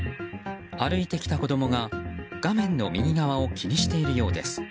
歩いてきた子供が画面の右側を気にしているようです。